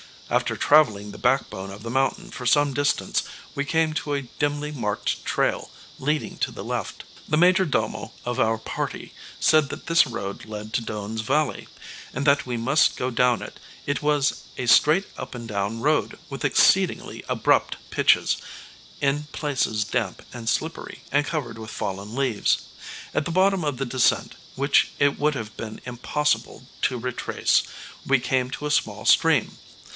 After traveling the backbone of the mountain for some distance we came to a dimly marked trail, leading to the left. The "Major Domo" of our party said that this road led to Doane's Valley, and that we must go down it. It was a straight up and down road, with exceedingly abrupt pitches, in places damp and slippery, and covered with fallen leaves. At the bottom of the descent, which it would have been impossible to retrace, we came to a small stream.